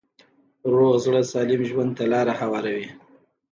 روغ زړه سالم ژوند ته لاره هواروي.